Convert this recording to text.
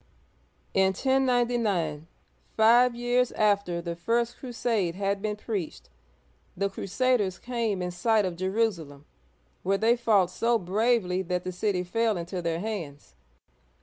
In 1099, five years after the first crusade had been preached, the crusaders came in sight of Jerusalem, where they fought so bravely that the city fell into their hands.